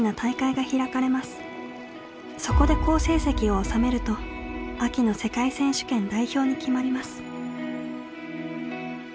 そこで好成績を収めると秋の世界選手権代表に決まります。